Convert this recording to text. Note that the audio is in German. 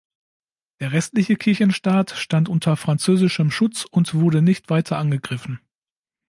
Der restliche Kirchenstaat stand unter französischem Schutz und wurde nicht weiter angegriffen.